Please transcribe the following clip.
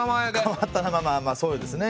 変わったまあまあそうですね。